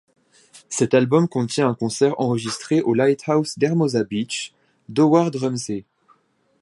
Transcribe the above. Cet album contient un concert enregistré au Lighthouse d'Hermosa Beach d'Howard Rumsey.